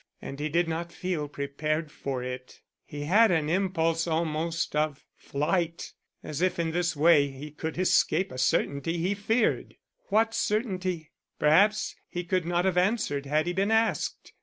And he did not feel prepared for it. He had an impulse almost of flight, as if in this way he could escape a certainty he feared. What certainty? Perhaps he could not have answered had he been asked.